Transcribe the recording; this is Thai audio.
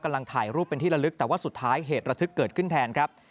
ถ่ายรูปเป็นที่ละลึกแต่ว่าสุดท้ายเหตุระทึกเกิดขึ้นแทนครับ